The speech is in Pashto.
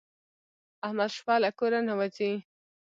احمد شپه له کوره نه وځي.